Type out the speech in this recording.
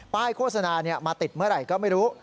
โฆษณามาติดเมื่อไหร่ก็ไม่รู้